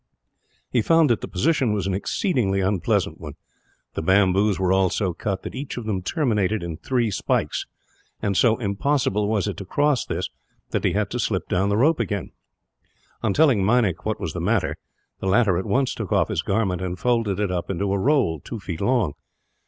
He found that the position was an exceedingly unpleasant one. The bamboos were all so cut that each of them terminated in three spikes, and so impossible was it to cross this that he had to slip down the rope again. On telling Meinik what was the matter, the latter at once took off his garment and folded it up into a roll, two feet long.